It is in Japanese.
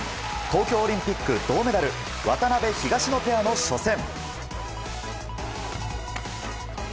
東京オリンピック銅メダル渡辺、東野ペアの初戦。